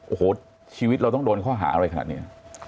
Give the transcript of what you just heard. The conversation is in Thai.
โอ้โหชีวิตเราต้องโดนข้อหาอะไรขนาดนี้